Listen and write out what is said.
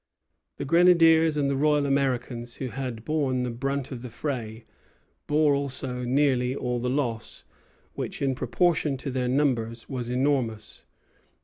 The grenadiers and the Royal Americans, who had borne the brunt of the fray, bore also nearly all the loss; which, in proportion to their numbers, was enormous.